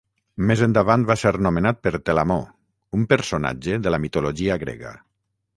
Més endavant va ser nomenat per Telamó, un personatge de la mitologia grega.